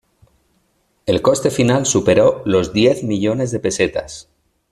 El coste final superó los diez millones de pesetas.